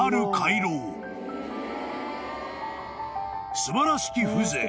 ［素晴らしき風情］